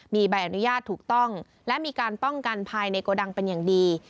มีใบอนุญาตถูกต้องและมีการป้องกันภายในโกดังเป็นอย่างดี